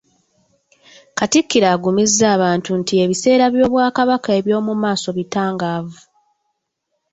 Katikkiro agumizza abantu nti ebiseera by'Obwakabaka eby'omumaaso bitangaavu